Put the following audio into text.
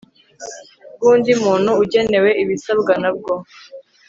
bw undi muntu ugenewe ibisabwa na bwo